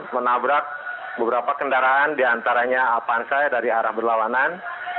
menabrak beberapa kendaraan diantaranya pansa dari arah berlawanan